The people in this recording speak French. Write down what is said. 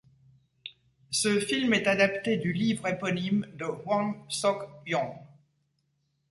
Ce film est adapté du livre éponyme de Hwang Sok-yong.